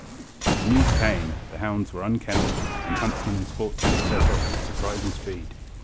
The news came, the hounds were unkennelled, and huntsmen and sportsmen set off with surprising speed.